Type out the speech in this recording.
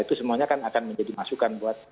itu semuanya akan menjadi masukan